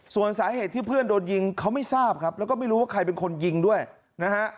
ส่วนสาเหตุที่เพื่อนโดนยิงเขาไม่ทราบครับแล้วก็ไม่รู้ว่าใครเป็นคนยิงด้วยนะฮะ